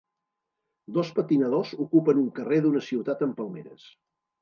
Dos patinadors ocupen un carrer d'una ciutat amb palmeres.